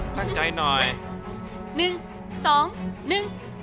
มคเย้